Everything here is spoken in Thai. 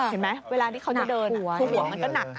เห็นไหมเวลาที่เขาจะเดินผู้หัวมันก็หนัก